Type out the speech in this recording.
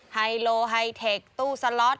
ไฮโลไฮเทคตู้สล็อต